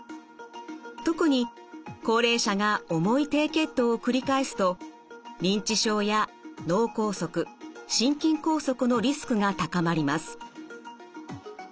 特に高齢者が重い低血糖を繰り返すと認知症や脳梗塞心筋梗塞のリスクが高まります。